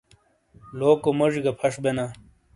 لوکو موجی گہ پھش بینا ۔